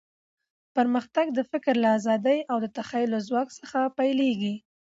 پرمختګ د فکر له ازادۍ او د تخیل له ځواک څخه پیلېږي.